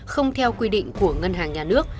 không theo quy định của ngân hàng nhà nước